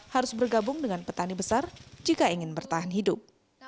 harus bergabung dengan petani besar jika ingin bertahan hidup